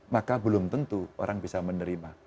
maka belum tentu orang bisa menerima